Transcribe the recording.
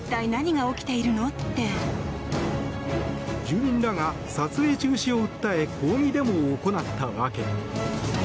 住民らが撮影中止を訴え抗議デモを行った訳。